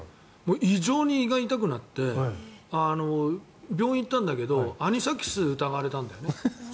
異常に胃が痛くなって病院に行ったんだけどアニサキスを疑われたんだよね。